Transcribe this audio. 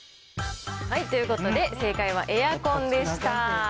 ということで、正解はエアコンでした。